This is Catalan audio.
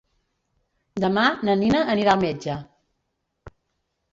Demà na Nina anirà al metge.